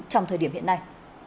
trong thời điểm hiện nay